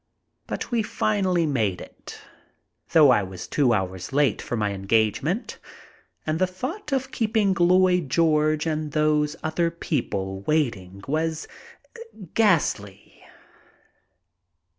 But we finally made it, though I was two hours late for my engage ment, and the thought of keeping Lloyd George and those other people waiting was ghastly.